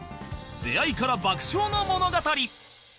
出会いから爆笑の物語